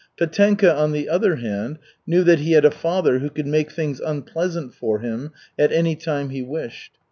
Petenka, on the other hand, knew that he had a father who could make things unpleasant for him at any time he wished.